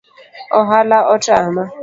Ohala otama